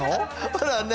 ほらね。